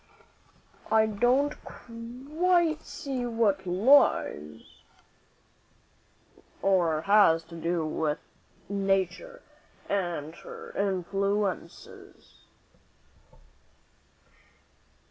"I do not quite see what all this has to do with Nature and her influences."